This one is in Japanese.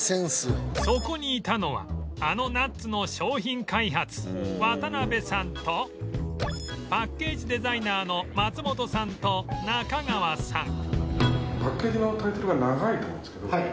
そこにいたのはあのナッツの商品開発渡辺さんとパッケージデザイナーの松本さんと中川さん